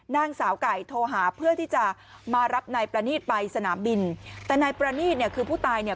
นางสาวไก่โทรหาเพื่อที่จะมารับนายประนีตไปสนามบินแต่นายประนีตเนี่ยคือผู้ตายเนี่ย